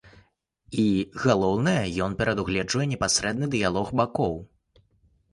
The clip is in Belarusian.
І, галоўнае, ён прадугледжвае непасрэдны дыялог бакоў.